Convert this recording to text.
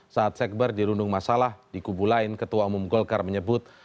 saat sekber dirundung masalah di kubu lain ketua umum golkar menyebut